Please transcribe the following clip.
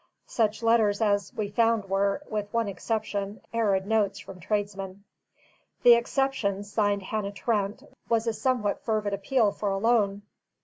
Such letters as we found were, with one exception, arid notes from tradesmen. The exception, signed Hannah Trent, was a somewhat fervid appeal for a loan.